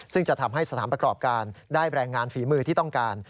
ซึ่งจะทำให้สถานประกอบการได้แรงงานฝีมือที่ต้องการ